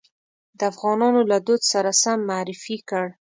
د افغانانو له دود سره سم معرفي کړ.